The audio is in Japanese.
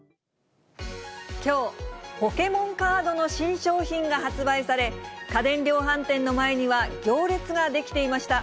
きょう、ポケモンカードの新商品が発売され、家電量販店の前には行列が出来ていました。